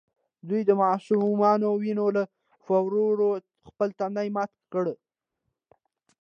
دوی د معصومو وینو له فووارو خپله تنده ماته کړه.